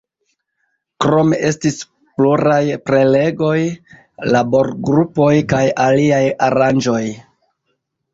Krome estis pluraj prelegoj, laborgrupoj kaj aliaj aranĝoj.